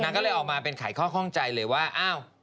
นางก็เลยออกมาเป็นไขข้อข้องใจเลยว่า